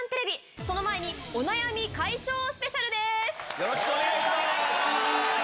よろしくお願いします！